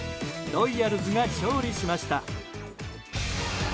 ロイヤルズが勝利しました。